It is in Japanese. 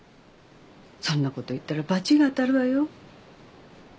そんなこと言ったら罰が当たるわよ。